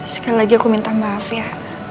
sekali lagi aku minta maaf ya